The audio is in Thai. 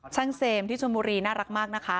เซมที่ชนบุรีน่ารักมากนะคะ